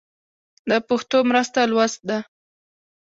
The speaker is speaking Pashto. د پښتو مرسته لوست ده.